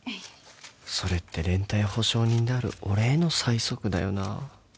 それって連帯保証人である俺への催促だよな